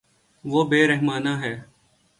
وہ بے رحمانہ ہے